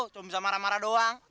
cuma bisa marah marah doang